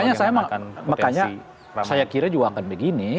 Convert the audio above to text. ya makanya saya kira juga akan begini